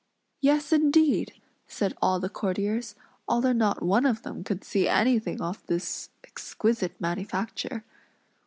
"Yes indeed!" said all the courtiers, although not one of them could see anything of this exquisite manufacture.